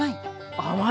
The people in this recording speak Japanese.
甘い！